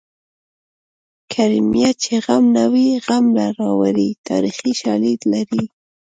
کرمیه چې غم نه وي غم به راوړې تاریخي شالید لري